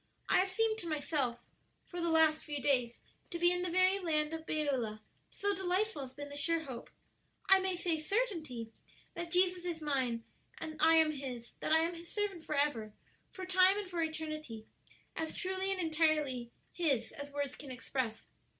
I have seemed to myself, for the last few days, to be in the very land of Beulah, so delightful has been the sure hope I may say certainty that Jesus is mine and I am His; that I am His servant forever, for time and for eternity, as truly and entirely His as words can express.